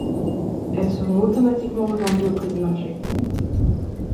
Elles seront automatiquement revendues au prix du marché.